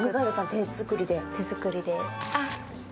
手作りで？